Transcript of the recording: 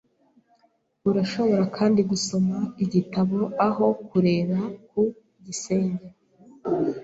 Urashobora kandi gusoma igitabo aho kureba ku gisenge.